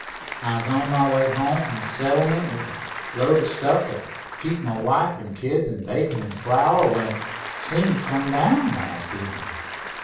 "I was on my way home from th' settlement, with a load of stuff t' keep my wife an' kids in bacon an' flour, when I seen ye come down last evenin'.